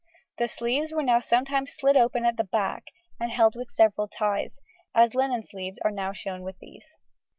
The sleeves were now sometimes slit open at the back and held with several ties, as linen sleeves are now shown with these.